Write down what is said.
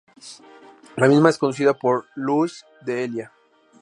La misma es conducida por Luis D'Elía.